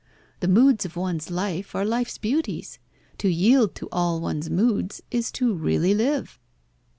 The moods of one's life are life's beauties. To yield to all one's moods is to really live."